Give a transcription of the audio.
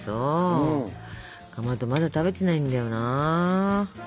かまどまだ食べてないんだよな。